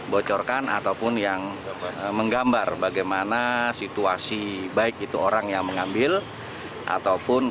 bocorkan ataupun yang menggambar bagaimana situasi baik itu orang yang mengambil ataupun